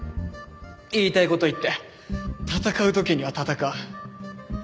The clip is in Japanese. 言いたい事言って戦う時には戦う。